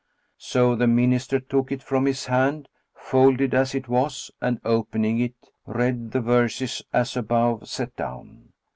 So the Minister took it from his hand, folded as it was, and opening it, read the verses as above set down.